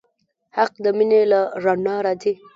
حق د مینې له رڼا راځي.